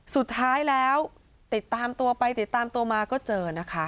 สุดท้ายแล้วติดตามตัวไปติดตามตัวมาก็เจอนะคะ